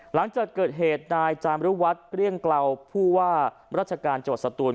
หลังจากเกิดเหตุนายจารย์บริวัตรเรียงเกลาผู้ว่าราชการเจาะสตูน